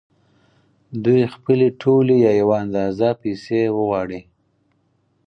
دوی خپلې ټولې یا یوه اندازه پیسې وغواړي